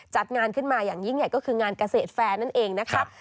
จัดงานขึ้นมาอย่างยิ่งใหญ่ก็คืองานเกษตรแฟร์นั่นเองนะครับ